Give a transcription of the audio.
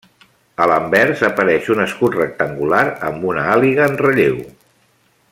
A l'anvers apareix un escut rectangular amb una àliga en relleu.